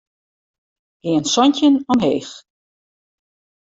Gean santjin omheech.